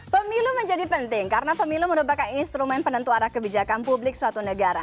pemilu menjadi penting karena pemilu merupakan instrumen penentu arah kebijakan publik suatu negara